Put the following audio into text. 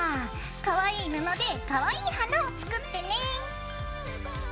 かわいい布でかわいい花を作ってね。